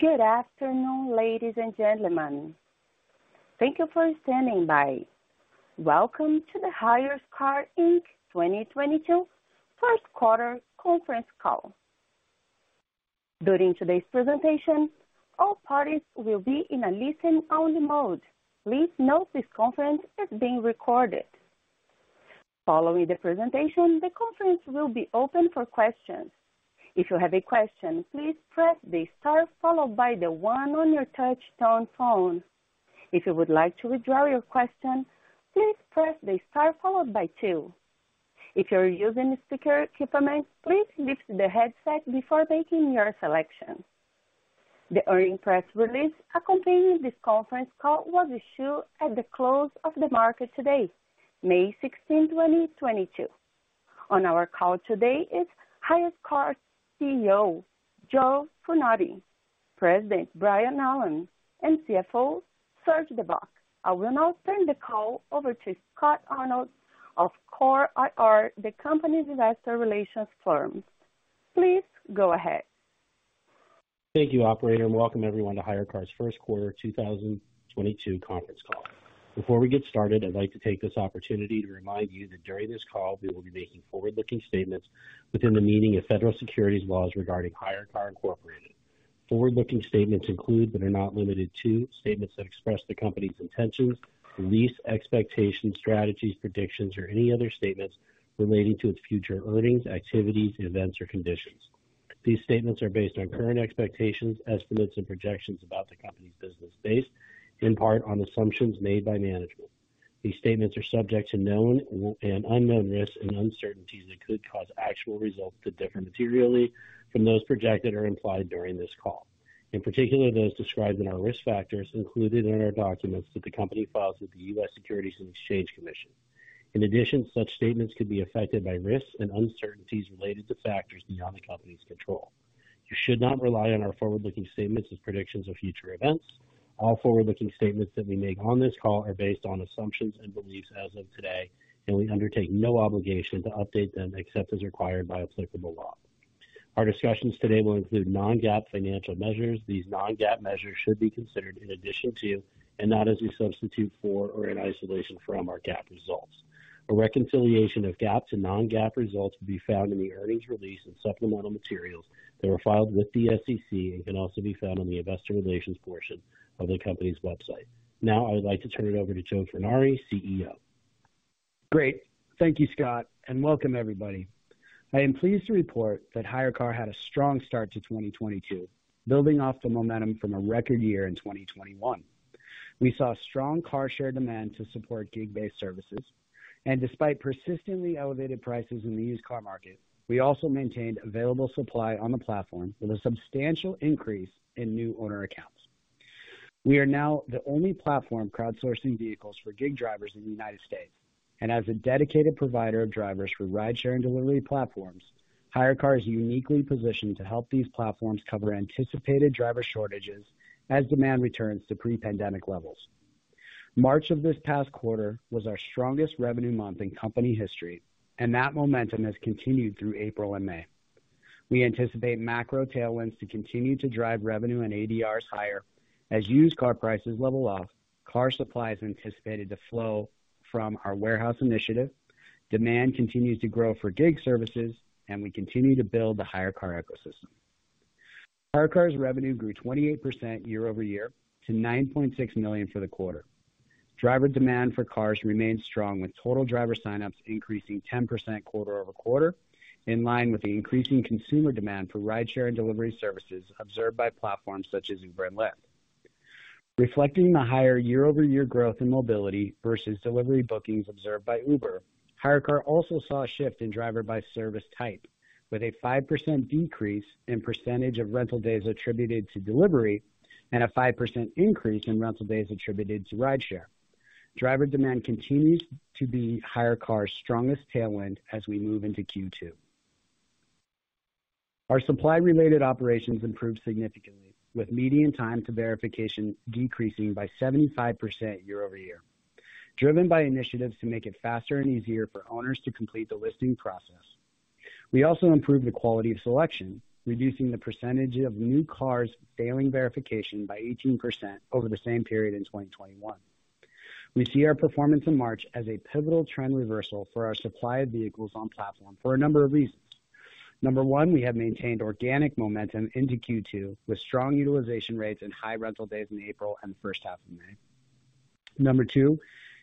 Good afternoon, ladies and gentlemen. Thank you for standing by. Welcome to the HyreCar Inc. 2022 first quarter conference call. During today's presentation, all parties will be in a listen only mode. Please note this conference is being recorded. Following the presentation, the conference will be open for questions. If you have a question, please press the star followed by the one on your touchtone phone. If you would like to withdraw your question, please press the star followed by two. If you're using speaker equipment, please lift the headset before making your selection. The earnings press release accompanying this conference call was issued at the close of the market today, May 16, 2022. On our call today is HyreCar CEO Joe Furnari, President Brian Allan, and CFO Serge De Bock. I will now turn the call over to Scott Arnold of Core IR, the company's investor relations firm. Please go ahead. Thank you, operator, and welcome everyone to HyreCar's first quarter 2022 conference call. Before we get started, I'd like to take this opportunity to remind you that during this call we will be making forward-looking statements within the meaning of federal securities laws regarding HyreCar Inc. Forward-looking statements include, but are not limited to, statements that express the company's intentions, beliefs, expectations, strategies, predictions, or any other statements relating to its future earnings, activities, events or conditions. These statements are based on current expectations, estimates, and projections about the company's business based in part on assumptions made by management. These statements are subject to known and unknown risks and uncertainties that could cause actual results to differ materially from those projected or implied during this call, in particular, those described in our risk factors included in our documents that the company files with the U.S. Securities and Exchange Commission. In addition, such statements could be affected by risks and uncertainties related to factors beyond the company's control. You should not rely on our forward-looking statements as predictions of future events. All forward-looking statements that we make on this call are based on assumptions and beliefs as of today, and we undertake no obligation to update them except as required by applicable law. Our discussions today will include non-GAAP financial measures. These non-GAAP measures should be considered in addition to, and not as a substitute for or in isolation from, our GAAP results. A reconciliation of GAAP to non-GAAP results will be found in the earnings release and supplemental materials that were filed with the SEC and can also be found on the investor relations portion of the company's website. Now I would like to turn it over to Joe Furnari, CEO. Great. Thank you, Scott, and welcome everybody. I am pleased to report that HyreCar had a strong start to 2022, building off the momentum from a record year in 2021. We saw strong car share demand to support gig-based services, and despite persistently elevated prices in the used car market, we also maintained available supply on the platform with a substantial increase in new owner accounts. We are now the only platform crowdsourcing vehicles for gig drivers in the United States, and as a dedicated provider of drivers for rideshare and delivery platforms, HyreCar is uniquely positioned to help these platforms cover anticipated driver shortages as demand returns to pre-pandemic levels. March of this past quarter was our strongest revenue month in company history, and that momentum has continued through April and May. We anticipate macro tailwinds to continue to drive revenue and ADRs higher. As used car prices level off, car supply is anticipated to flow from our warehouse initiative. Demand continues to grow for gig services, and we continue to build the HyreCar ecosystem. HyreCar's revenue grew 28% year-over-year to $9.6 million for the quarter. Driver demand for cars remained strong with total driver signups increasing 10% quarter-over-quarter in line with the increasing consumer demand for rideshare and delivery services observed by platforms such as Uber and Lyft. Reflecting the higher year-over-year growth in mobility versus delivery bookings observed by Uber, HyreCar also saw a shift in driver by service type with a 5% decrease in percentage of rental days attributed to delivery and a 5% increase in rental days attributed to rideshare. Driver demand continues to be HyreCar's strongest tailwind as we move into Q2. Our supply-related operations improved significantly, with median time to verification decreasing by 75% year-over-year, driven by initiatives to make it faster and easier for owners to complete the listing process. We also improved the quality of selection, reducing the percentage of new cars failing verification by 18% over the same period in 2021. We see our performance in March as a pivotal trend reversal for our supply of vehicles on platform for a number of reasons. Number one, we have maintained organic momentum into Q2 with strong utilization rates and high rental days in April and the first half of May. Number two,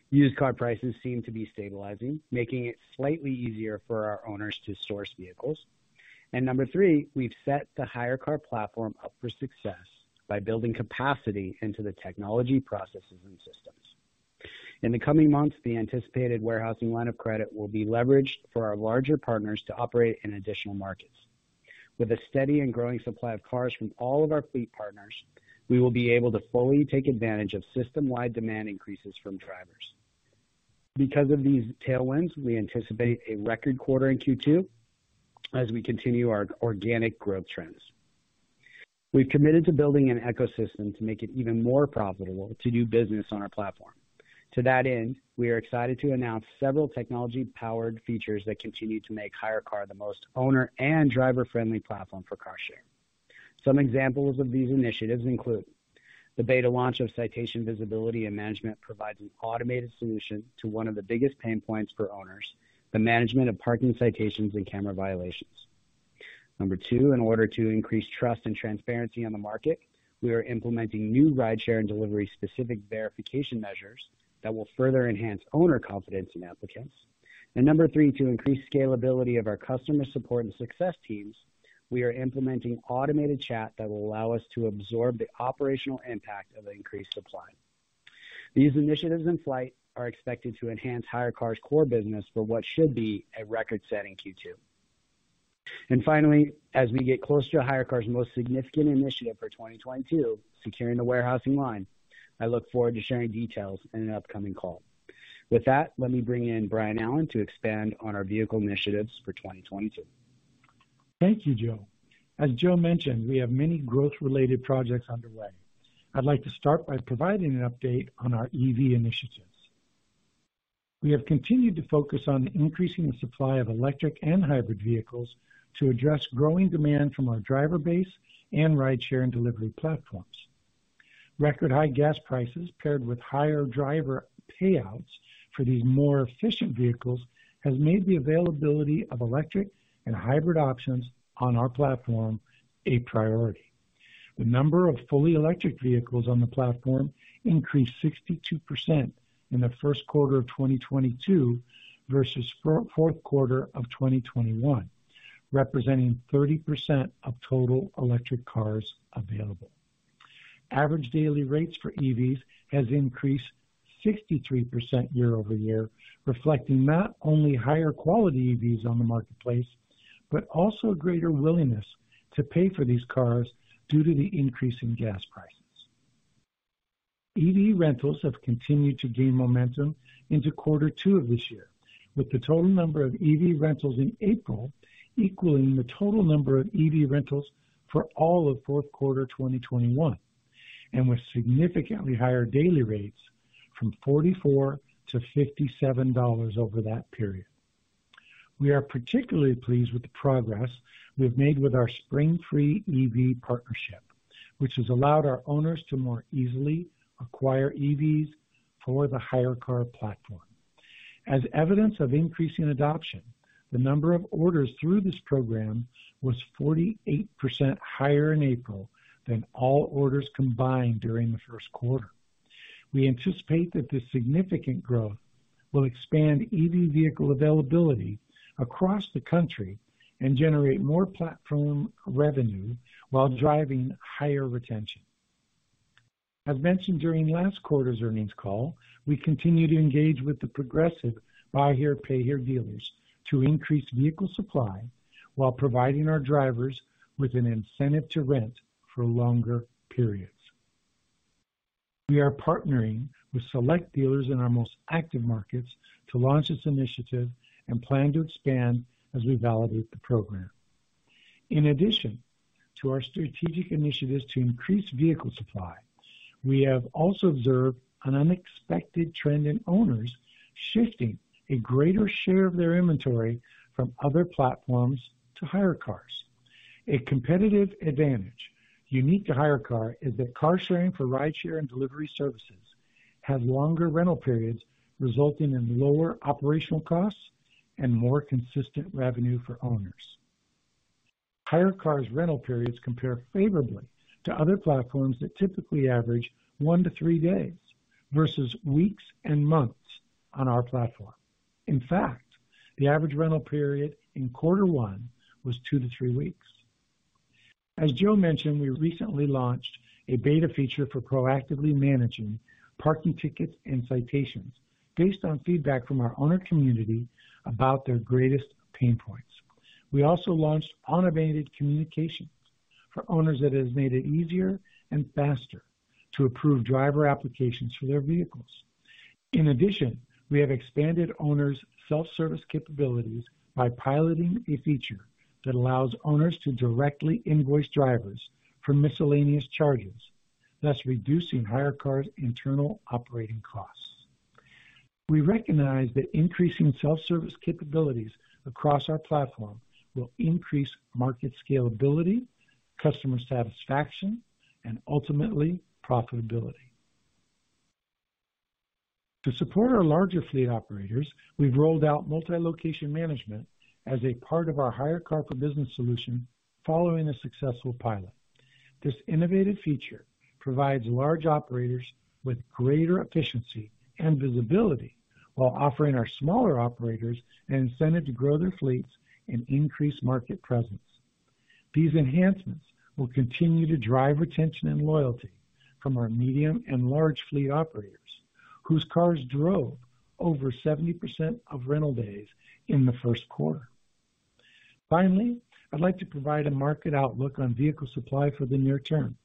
used car prices seem to be stabilizing, making it slightly easier for our owners to source vehicles. Number three, we've set the HyreCar platform up for success by building capacity into the technology, processes, and systems. In the coming months, the anticipated warehousing line of credit will be leveraged for our larger partners to operate in additional markets. With a steady and growing supply of cars from all of our fleet partners, we will be able to fully take advantage of system-wide demand increases from drivers. Because of these tailwinds, we anticipate a record quarter in Q2 as we continue our organic growth trends. We've committed to building an ecosystem to make it even more profitable to do business on our platform. To that end, we are excited to announce several technology-powered features that continue to make HyreCar the most owner and driver-friendly platform for car sharing. Some examples of these initiatives include. The beta launch of citation visibility and management provides an automated solution to one of the biggest pain points for owners, the management of parking citations and camera violations. Number two, in order to increase trust and transparency on the market, we are implementing new rideshare and delivery specific verification measures that will further enhance owner confidence in applicants. Number three, to increase scalability of our customer support and success teams, we are implementing automated chat that will allow us to absorb the operational impact of increased supply. These initiatives in flight are expected to enhance HyreCar's core business for what should be a record-setting Q2. Finally, as we get closer to HyreCar's most significant initiative for 2022, securing the warehousing line, I look forward to sharing details in an upcoming call. With that, let me bring in Brian Allan to expand on our vehicle initiatives for 2022. Thank you, Joe. As Joe mentioned, we have many growth-related projects underway. I'd like to start by providing an update on our EV initiatives. We have continued to focus on increasing the supply of electric and hybrid vehicles to address growing demand from our driver base and rideshare and delivery platforms. Record high gas prices, paired with higher driver payouts for these more efficient vehicles, has made the availability of electric and hybrid options on our platform a priority. The number of fully electric vehicles on the platform increased 62% in the first quarter of 2022 versus fourth quarter of 2021, representing 30% of total electric cars available. Average daily rates for EVs has increased 63% year-over-year, reflecting not only higher quality EVs on the marketplace, but also a greater willingness to pay for these cars due to the increase in gas prices. EV rentals have continued to gain momentum into quarter two of this year, with the total number of EV rentals in April equaling the total number of EV rentals for all of fourth quarter 2021, and with significantly higher daily rates from $44-$57 over that period. We are particularly pleased with the progress we've made with our Spring Free EV partnership, which has allowed our owners to more easily acquire EVs for the HyreCar platform. As evidence of increasing adoption, the number of orders through this program was 48% higher in April than all orders combined during the first quarter. We anticipate that this significant growth will expand EV vehicle availability across the country and generate more platform revenue while driving higher retention. As mentioned during last quarter's earnings call, we continue to engage with the progressive buy here, pay here dealers to increase vehicle supply while providing our drivers with an incentive to rent for longer periods. We are partnering with select dealers in our most active markets to launch this initiative and plan to expand as we validate the program. In addition to our strategic initiatives to increase vehicle supply, we have also observed an unexpected trend in owners shifting a greater share of their inventory from other platforms to HyreCar. A competitive advantage unique to HyreCar is that car sharing for rideshare and delivery services have longer rental periods, resulting in lower operational costs and more consistent revenue for owners. HyreCar's rental periods compare favorably to other platforms that typically average one to three days versus weeks and months on our platform. In fact, the average rental period in quarter one was 2-3 weeks. As Joe mentioned, we recently launched a beta feature for proactively managing parking tickets and citations based on feedback from our owner community about their greatest pain points. We also launched automated communications for owners that has made it easier and faster to approve driver applications for their vehicles. In addition, we have expanded owners' self-service capabilities by piloting a feature that allows owners to directly invoice drivers for miscellaneous charges, thus reducing HyreCar's internal operating costs. We recognize that increasing self-service capabilities across our platform will increase market scalability, customer satisfaction, and ultimately profitability. To support our larger fleet operators, we've rolled out multi-location management as a part of our HyreCar for Business solution following a successful pilot. This innovative feature provides large operators with greater efficiency and visibility while offering our smaller operators an incentive to grow their fleets and increase market presence. These enhancements will continue to drive retention and loyalty from our medium and large fleet operators whose cars drove over 70% of rental days in the first quarter. Finally, I'd like to provide a market outlook on vehicle supply for the near term.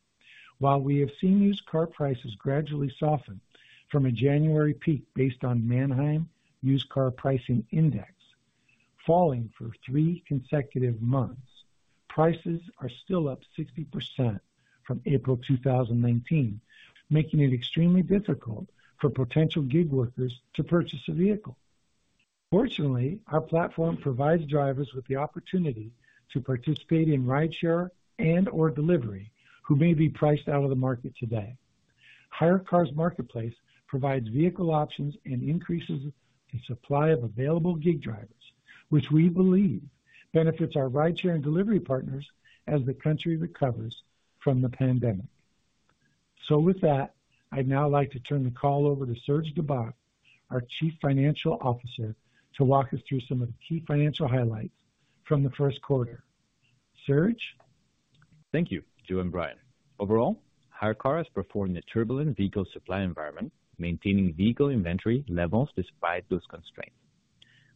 While we have seen used car prices gradually soften from a January peak based on Manheim Used Vehicle Value Index, falling for three consecutive months, prices are still up 60% from April 2019, making it extremely difficult for potential gig workers to purchase a vehicle. Fortunately, our platform provides drivers with the opportunity to participate in rideshare and/or delivery who may be priced out of the market today. HyreCar's marketplace provides vehicle options and increases the supply of available gig drivers, which we believe benefits our rideshare and delivery partners as the country recovers from the pandemic. With that, I'd now like to turn the call over to Serge De Bock, our Chief Financial Officer, to walk us through some of the key financial highlights from the first quarter. Serge. Thank you, Joe and Brian. Overall, HyreCar has performed in a turbulent vehicle supply environment, maintaining vehicle inventory levels despite those constraints.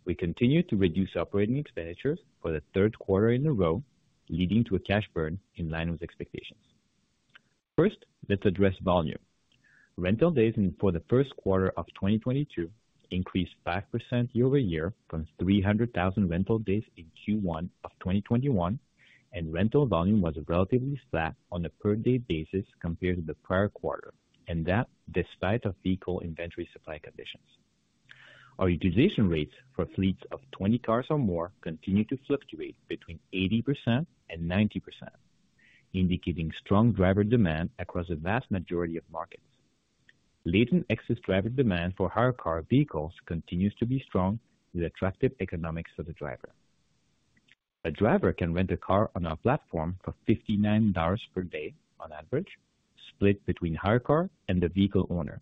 We continue to reduce operating expenditures for the third quarter in a row, leading to a cash burn in line with expectations. First, let's address volume. Rental days for the first quarter of 2022 increased 5% year-over-year from 300,000 rental days in Q1 of 2021, and rental volume was relatively flat on a per day basis compared to the prior quarter, and that despite vehicle inventory supply conditions. Our utilization rates for fleets of 20 cars or more continue to fluctuate between 80% and 90%, indicating strong driver demand across a vast majority of markets. Latent excess driver demand for HyreCar vehicles continues to be strong with attractive economics for the driver. A driver can rent a car on our platform for $59 per day on average, split between HyreCar and the vehicle owner,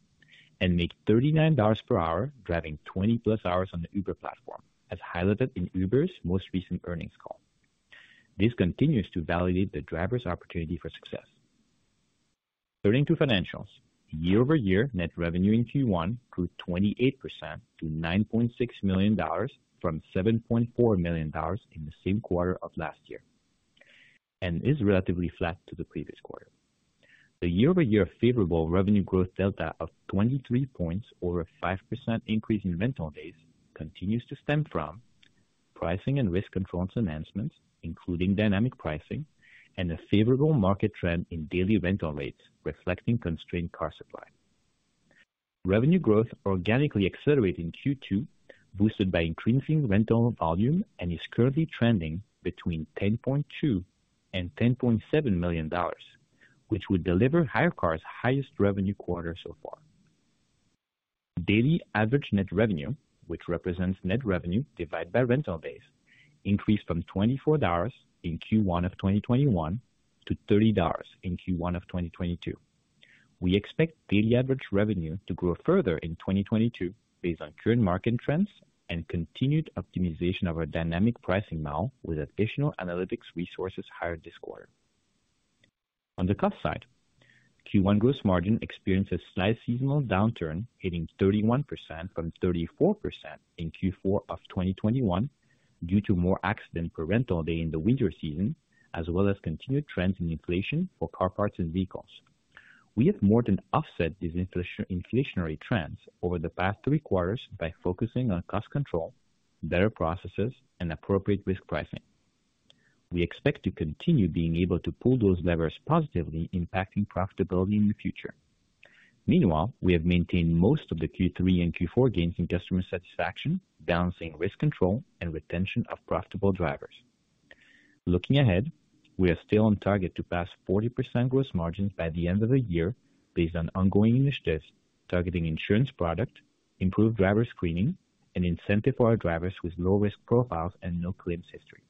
and make $39 per hour driving 20+ hours on the Uber platform, as highlighted in Uber's most recent earnings call. This continues to validate the driver's opportunity for success. Turning to financials. Year-over-year net revenue in Q1 grew 28% to $9.6 million from $7.4 million in the same quarter of last year, and is relatively flat to the previous quarter. The year-over-year favorable revenue growth delta of 23 points over a 5% increase in rental days continues to stem from pricing and risk controls enhancements, including dynamic pricing and a favorable market trend in daily rental rates reflecting constrained car supply. Revenue growth organically accelerate in Q2, boosted by increasing rental volume and is currently trending between $10.2 million and $10.7 million, which would deliver HyreCar's highest revenue quarter so far. Daily average net revenue, which represents net revenue divided by rental days, increased from $24 in Q1 of 2021 to $30 in Q1 of 2022. We expect daily average revenue to grow further in 2022 based on current market trends and continued optimization of our dynamic pricing model with additional analytics resources hired this quarter. On the cost side, Q1 gross margin experienced a slight seasonal downturn, hitting 31% from 34% in Q4 of 2021 due to more accidents per rental day in the winter season, as well as continued trends in inflation for car parts and vehicles. We have more than offset these inflationary trends over the past three quarters by focusing on cost control, better processes, and appropriate risk pricing. We expect to continue being able to pull those levers positively impacting profitability in the future. Meanwhile, we have maintained most of the Q3 and Q4 gains in customer satisfaction, balancing risk control and retention of profitable drivers. Looking ahead, we are still on target to pass 40% gross margins by the end of the year based on ongoing initiatives targeting insurance product, improved driver screening, and incentive for our drivers with low risk profiles and no claims history.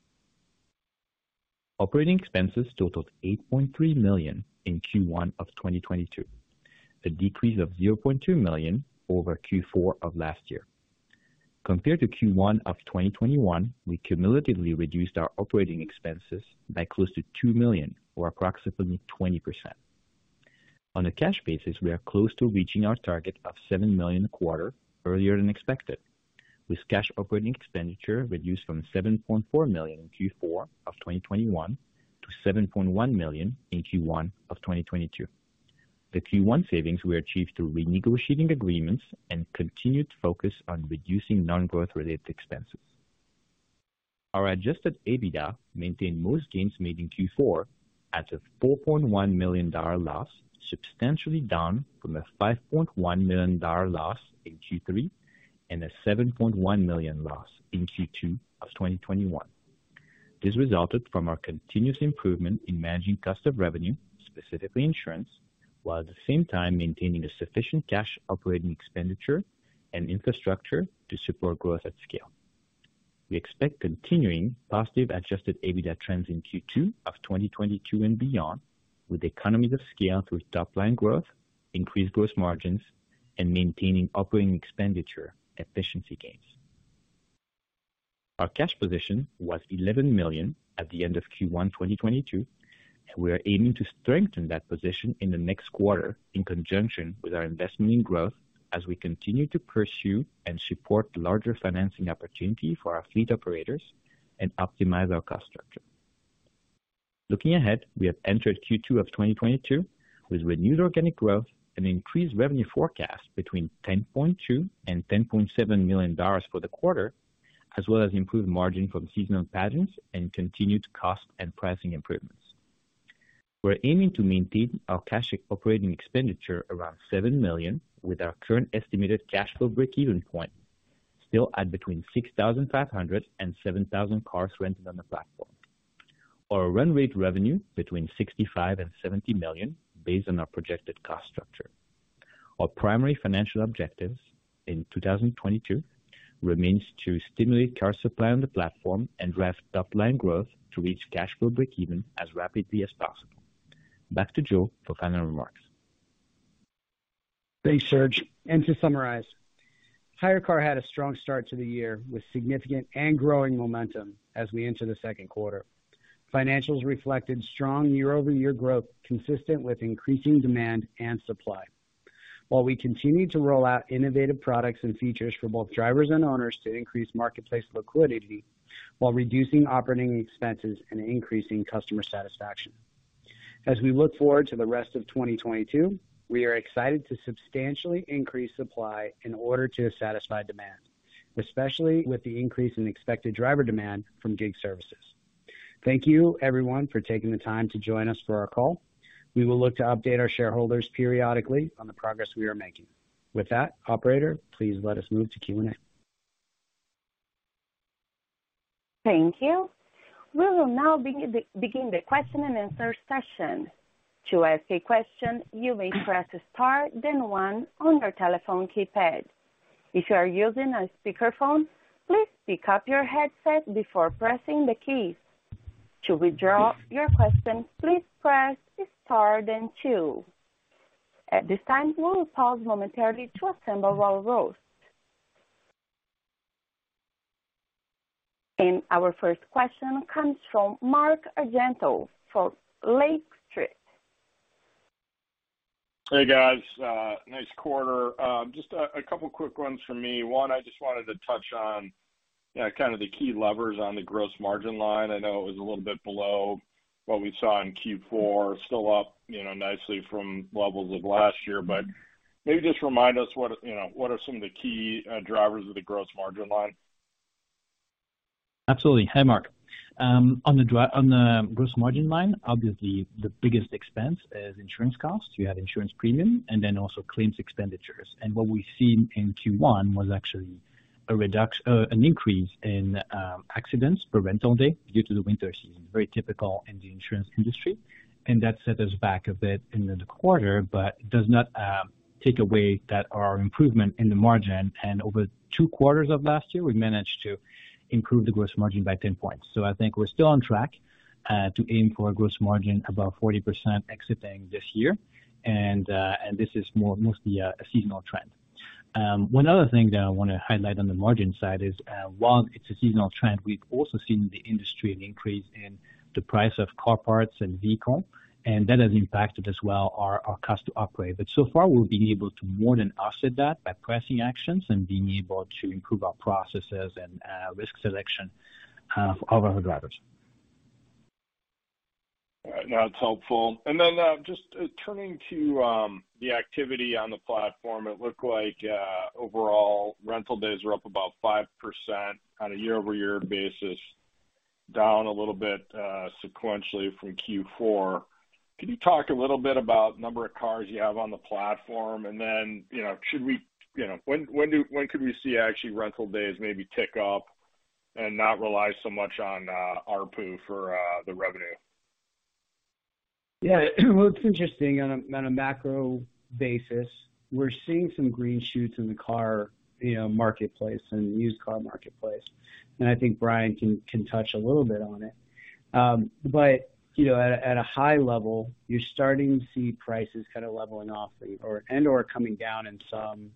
Operating expenses totaled $8.3 million in Q1 of 2022, a decrease of $0.2 million over Q4 of last year. Compared to Q1 of 2021, we cumulatively reduced our operating expenses by close to $2 million or approximately 20%. On a cash basis, we are close to reaching our target of $7 million a quarter earlier than expected, with cash operating expenditure reduced from $7.4 million in Q4 of 2021 to $7.1 million in Q1 of 2022. Q1 savings were achieved through renegotiating agreements and continued focus on reducing non-growth related expenses. Our adjusted EBITDA maintained most gains made in Q4 at a $4.1 million loss, substantially down from a $5.1 million loss in Q3 and a $7.1 million loss in Q2 of 2021. This resulted from our continuous improvement in managing cost of revenue, specifically insurance, while at the same time maintaining a sufficient cash operating expenditure and infrastructure to support growth at scale. We expect continuing positive adjusted EBITDA trends in Q2 of 2022 and beyond, with economies of scale through top line growth, increased gross margins and maintaining operating expenditure efficiency gains. Our cash position was $11 million at the end of Q1 2022, and we are aiming to strengthen that position in the next quarter in conjunction with our investment in growth as we continue to pursue and support larger financing opportunity for our fleet operators and optimize our cost structure. Looking ahead, we have entered Q2 of 2022 with renewed organic growth and increased revenue forecast between $10.2 million and $10.7 million for the quarter, as well as improved margin from seasonal patterns and continued cost and pricing improvements. We're aiming to maintain our cash operating expenditure around $7 million with our current estimated cash flow breakeven point still at between 6,500 and 7,000 cars rented on the platform, or a run rate revenue between $65 million-$70 million based on our projected cost structure. Our primary financial objectives in 2022 remains to stimulate car supply on the platform and drive top-line growth to reach cash flow breakeven as rapidly as possible. Back to Joe for final remarks. Thanks, Serge De Bock. To summarize, HyreCar had a strong start to the year with significant and growing momentum as we enter the second quarter. Financials reflected strong year-over-year growth consistent with increasing demand and supply. While we continued to roll out innovative products and features for both drivers and owners to increase marketplace liquidity while reducing operating expenses and increasing customer satisfaction. As we look forward to the rest of 2022, we are excited to substantially increase supply in order to satisfy demand, especially with the increase in expected driver demand from gig services. Thank you everyone for taking the time to join us for our call. We will look to update our shareholders periodically on the progress we are making. With that, operator, please let us move to Q&A. Thank you. We will now begin the question and answer session. To ask a question, you may press star then one on your telephone keypad. If you are using a speakerphone, please pick up your headset before pressing the keys. To withdraw your question, please press star then two. At this time, we will pause momentarily to assemble roll calls. Our first question comes from Mark Argento for Lake Street. Hey, guys, nice quarter. Just a couple of quick ones for me. One, I just wanted to touch on, you know, kind of the key levers on the gross margin line. I know it was a little bit below what we saw in Q4, still up, you know, nicely from levels of last year. Maybe just remind us what, what are some of the key drivers of the gross margin line? Absolutely. Hi, Mark. On the gross margin line, obviously the biggest expense is insurance costs. You have insurance premium and then also claims expenditures. What we've seen in Q1 was actually an increase in accidents per rental day due to the winter season, very typical in the insurance industry, and that set us back a bit in the quarter but does not take away that our improvement in the margin. Over two quarters of last year, we managed to improve the gross margin by 10 points. I think we're still on track to aim for a gross margin above 40% exiting this year. This is mostly a seasonal trend. One other thing that I wanna highlight on the margin side is, while it's a seasonal trend, we've also seen in the industry an increase in the price of car parts and vehicle, and that has impacted as well our cost to operate. So far, we've been able to more than offset that by pricing actions and being able to improve our processes and risk selection of our drivers. All right. That's helpful. Just turning to the activity on the platform, it looked like overall rental days were up about 5% on a year-over-year basis, down a little bit sequentially from Q4. Can you talk a little bit about number of cars you have on the platform? You know, when could we see actually rental days maybe tick up and not rely so much on ARPU for the revenue? Yeah. Well, it's interesting. On a macro basis, we're seeing some green shoots in the car, you know, marketplace and used car marketplace, and I think Brian can touch a little bit on it. At a high level, you're starting to see prices kind of leveling off and/or coming down in some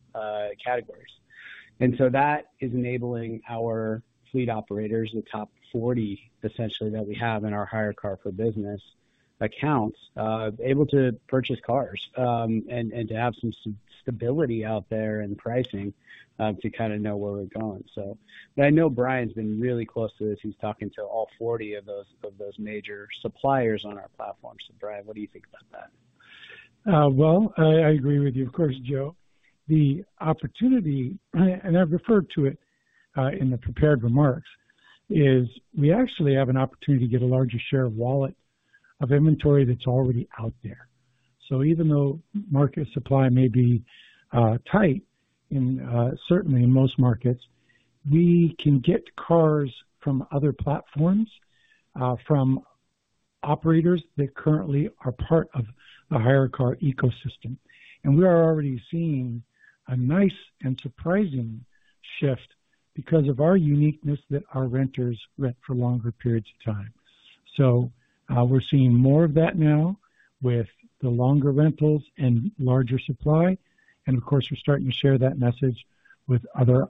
categories. That is enabling our fleet operators, the top 40 essentially that we have in our HyreCar for Business accounts, able to purchase cars, and to have some stability out there in pricing, to kinda know where we're going. I know Brian's been really close to this. He's talking to all 40 of those major suppliers on our platform. Brian, what do you think about that? Well, I agree with you, of course, Joe. The opportunity, and I've referred to it in the prepared remarks, is we actually have an opportunity to get a larger share of wallet of inventory that's already out there. Even though market supply may be tight in certainly in most markets, we can get cars from other platforms from operators that currently are part of the HyreCar ecosystem. We are already seeing a nice and surprising shift because of our uniqueness that our renters rent for longer periods of time. We're seeing more of that now with the longer rentals and larger supply. Of course, we're starting to share that message with other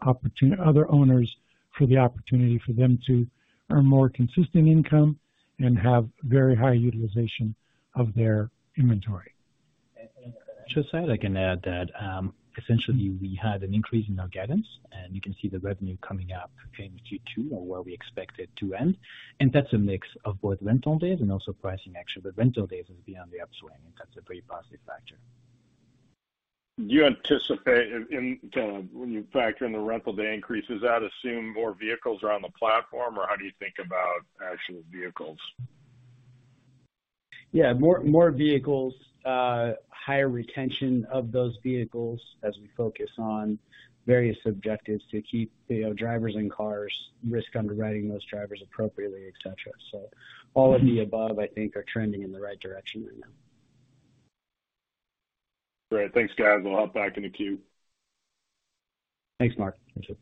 owners for the opportunity for them to earn more consistent income and have very high utilization of their inventory. I can add that essentially we had an increase in our guidance and you can see the revenue coming up in Q2 or where we expect it to end. That's a mix of both rental days and also pricing action, but rental days is behind the upswing, and that's a pretty positive factor. When you factor in the rental day increases, I'd assume more vehicles are on the platform or how do you think about actual vehicles? Yeah, more vehicles, higher retention of those vehicles as we focus on various objectives to keep, you know, drivers and car risk underwriting those drivers appropriately, et cetera. All of the above, I think, are trending in the right direction right now. Great. Thanks, guys. I'll hop back in the queue. Thanks, Mark. Thank you.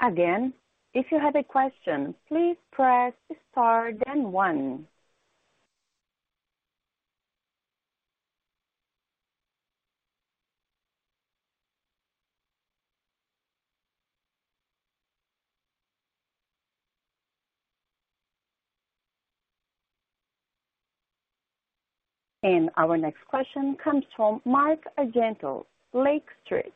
Again, if you have a question, please press star then one. Our next question comes from Mark Argento, Lake Street.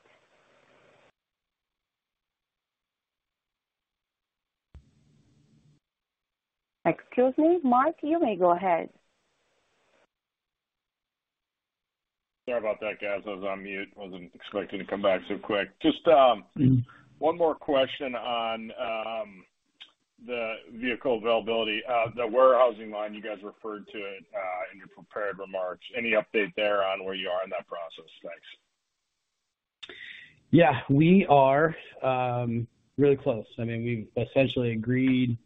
Excuse me, Mark, you may go ahead. Sorry about that, guys. I was on mute. Wasn't expecting to come back so quick. Just one more question on the vehicle availability. The warehousing line you guys referred to it in your prepared remarks. Any update there on where you are in that process? Thanks. Yeah. We are really close. I mean, we've essentially agreed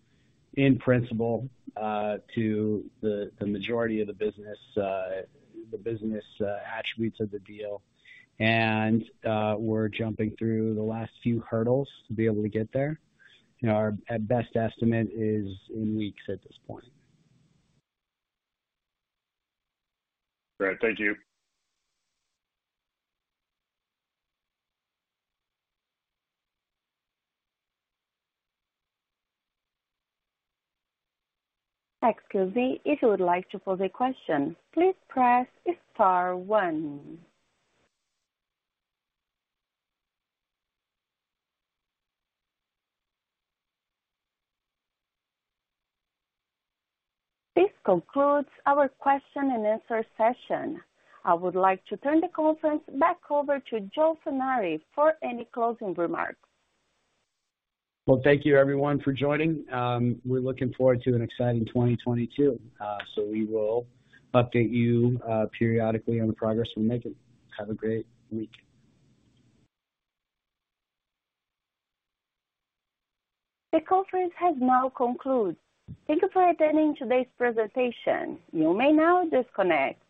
in principle to the majority of the business attributes of the deal. We're jumping through the last few hurdles to be able to get there. You know, our at best estimate is in weeks at this point. Great. Thank you. Excuse me. If you would like to pose a question, please press star one. This concludes our question and answer session. I would like to turn the conference back over to Joe Furnari for any closing remarks. Well, thank you everyone for joining. We're looking forward to an exciting 2022. We will update you periodically on the progress we're making. Have a great week. The conference has now concluded. Thank you for attending today's presentation. You may now disconnect.